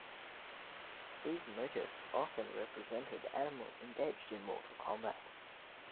These motifs often represented animals engaged in mortal combat.